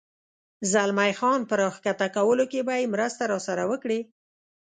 زلمی خان په را کښته کولو کې به یې مرسته راسره وکړې؟